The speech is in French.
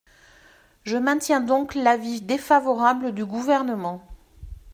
Je maintiens donc l’avis défavorable du Gouvernement.